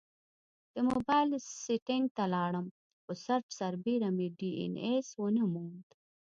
د مبایل سیټینګ ته لاړم، خو سرچ سربیره مې ډي این ایس ونه موند